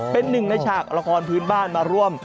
เป็นหนึ่งในฉากละครพื้นบ้านมาร่วม